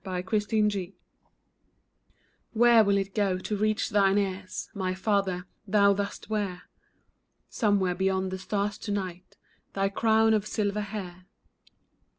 A LAST WORD Where will it go to reach thine ears My father, thou dost wear Somewhere beyond the stars to night Thy crown of silver hair.